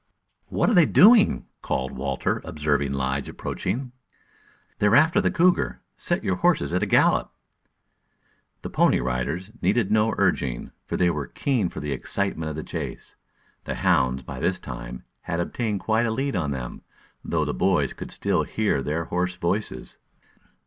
"What are they doing?" called Walter, observing Lige approaching. "They're after the cougar. Set your horses at a gallop." The Pony Riders needed no urging, for they were keen for the excitement of the chase. The hounds, by this time, had obtained quite a lead on them, though the boys still could hear their hoarse voices.